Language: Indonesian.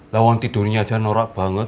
lawan tidurnya aja norak banget